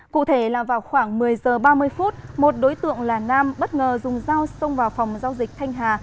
cụ thể là vào khoảng một mươi giờ ba mươi phút một đối tượng là nam bất ngờ dùng dao xông vào phòng giao dịch thanh hà